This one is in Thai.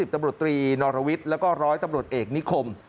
๑๐ตำรวจตรีนรวิตและ๑๐๐ตำรวจเอกนิคม